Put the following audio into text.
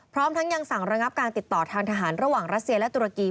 พร้อมทั้งยังสั่งระงับการติดต่อทางทหารระหว่างรัสเซียและตุรกี